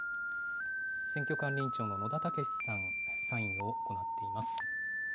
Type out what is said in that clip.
選挙管理委員長の野田毅さんがサインを行っています。